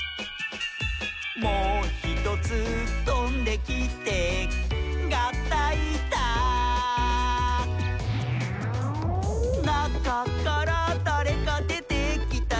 「もひとつとんできてがったいだ」「なかからだれかでてきたよ」